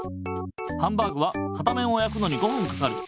ハンバーグは片面をやくのに５ふんかかる。